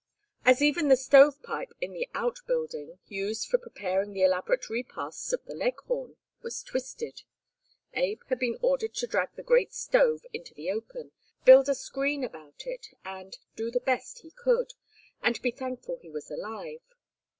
As even the stovepipe in the out building, used for preparing the elaborate repasts of the Leghorn, was twisted, Abe had been ordered to drag the great stove into the open, build a screen about it, and "do the best he could, and be thankful he was alive."